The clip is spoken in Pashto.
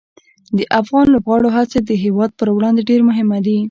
د افغان لوبغاړو هڅې د هېواد پر وړاندې ډېره مهمه دي.